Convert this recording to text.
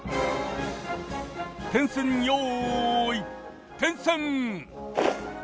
点線よい点線！